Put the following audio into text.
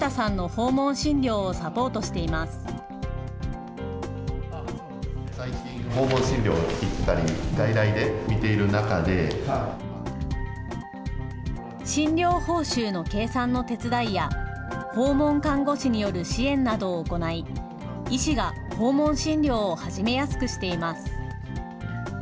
訪問診療に行ったり、診療報酬の計算の手伝いや、訪問看護師による支援などを行い、医師が訪問診療を始めやすくしています。